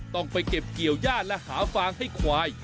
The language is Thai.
ต้องไปเก็บเกี่ยวย่าและหาฟางให้ควาย